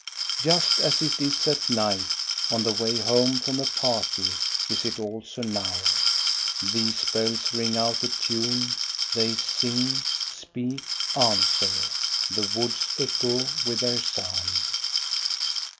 Just as it is at night, on the way home from a party, is it also now. These bells ring out a tune ; they sing, speak, answer. The woods echo with their sound.